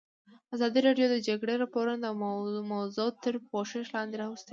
ازادي راډیو د د جګړې راپورونه موضوع تر پوښښ لاندې راوستې.